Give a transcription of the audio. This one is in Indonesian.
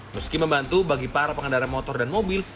meski membantu bagi para pengendara motor dan mobil